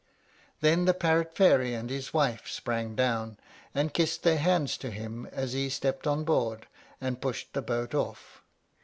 Then the parrot fairy and his wife sprang down, and kissed their hands to him as he stepped on board, and pushed the boat off.